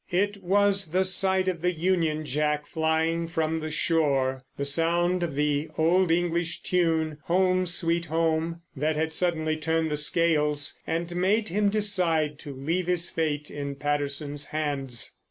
It was the sight of the Union Jack flying from the shore, the sound of the old English tune, "Home, Sweet Home," that had suddenly turned the scales and made him decide to leave his fate in Patterson's hands.